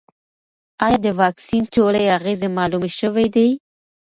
ایا د واکسین ټولې اغېزې معلومې شوې دي؟